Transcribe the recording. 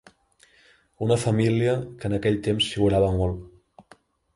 Una família que en aquell temps figurava molt.